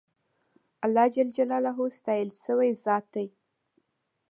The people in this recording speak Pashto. اللهﷻ ستایل سوی ذات دی.